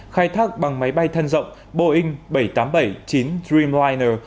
khai thác bằng máy bay thân rộng boeing bảy trăm tám mươi bảy chín dreamliner